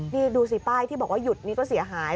นี่ดูสิป้ายที่บอกว่าหยุดนี้ก็เสียหาย